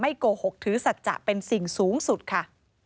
โกหกถือสัจจะเป็นสิ่งสูงสุดค่ะ